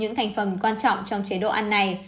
những thành phẩm quan trọng trong chế độ ăn này